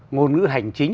ngôn ngữ hành chính